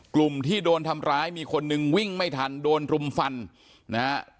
กลุ่มที่โดนทำร้ายมีคนนึงวิ่งไม่ทันโดนรุมฟันนะฮะ